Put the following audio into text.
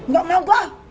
gak mau gue